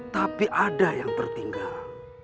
tapi ada yang tertinggal